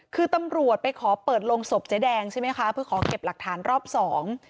คือตำรวจไปขอเปิดโรงศพเจ๊แดงใช่ไหมคะเพื่อขอเก็บหลักฐานรอบสอง